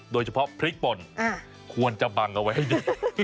โดยเฉพาะพริกป่นควรจะบังเอาไว้ให้ดี